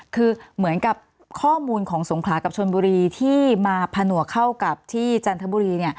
คือเหมือนกับข้อมูลของสงขลากับชนบุรีที่มาผนวกเข้ากับที่จันทบุรี